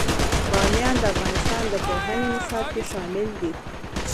بامیان د افغانستان د پوهنې نصاب کې شامل دي.